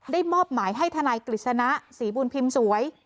มอบหมายให้ทนายกฤษณะศรีบุญพิมพ์สวย